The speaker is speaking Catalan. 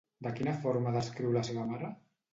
De quina forma descriu la seva mare?